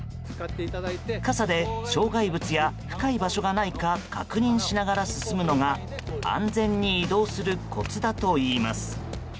傘で障害物や深い場所がないか確認しながら進むのが安全に移動するコツだといいます。